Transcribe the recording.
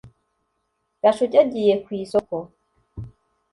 gashugi agiye ku isoko